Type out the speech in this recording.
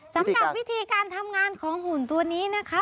สำหรับวิธีการทำงานของหุ่นตัวนี้นะคะ